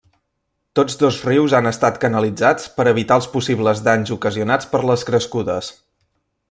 Tots dos rius han estat canalitzats per evitar els possibles danys ocasionats per les crescudes.